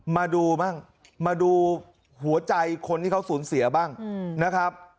มาดูบ้างมาดูหัวใจคนที่เขาสูญเสียบ้างนะครับ